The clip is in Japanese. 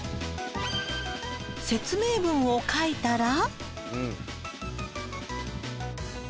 説明文を書いたら。